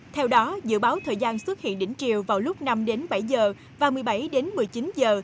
theo đó dự báo thời gian xuất hiện đỉnh chiều vào lúc năm đến bảy giờ và một mươi bảy đến một mươi chín giờ